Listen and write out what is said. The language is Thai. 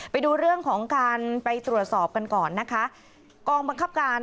ไปดูเรื่องของการไปตรวจสอบกันก่อนนะคะกองบังคับการ